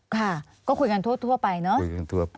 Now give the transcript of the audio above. ค่ะก็คุยกันทั่วไปเนอะ